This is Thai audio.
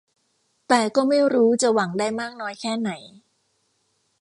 แต่ก็ไม่รู้จะหวังได้มากน้อยแค่ไหน